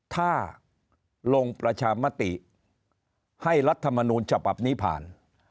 ถ้าลงประชามติให้รัฐมนูลฉบับนี้ผ่าน